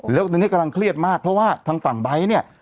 อยู่ทักถังไปเนี่ย